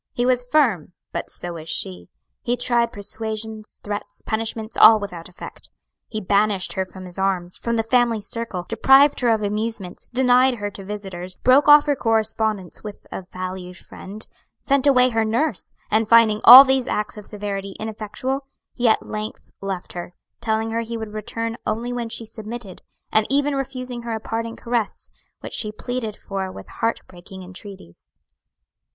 He was firm, but so was she. He tried persuasions, threats, punishments all without effect. He banished her from his arms, from the family circle, deprived her of amusements, denied her to visitors, broke off her correspondence with a valued friend, sent away her nurse; and finding all these acts of severity ineffectual, he at length left her, telling her he would return only when she submitted; and even refusing her a parting caress, which she pleaded for with heart breaking entreaties."